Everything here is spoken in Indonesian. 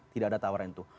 tidak ada tawaran itu